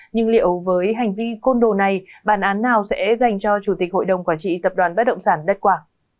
nhưng liệu với hành vi côn đồ này bản án nào sẽ dành cho chủ tịch hội đồng quản trị tập đoàn bất động sản đất quả